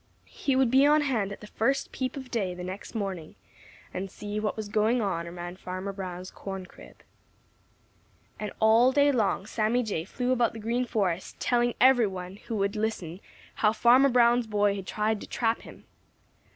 He would be on hand at the first peep of day the next morning and see what was going on around Farmer Brown's corn crib. And all day long Sammy Jay flew about through the Green Forest telling every one who would listen how Farmer Brown's boy had tried to trap him.